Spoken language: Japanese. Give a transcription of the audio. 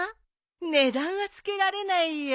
値段は付けられないよ。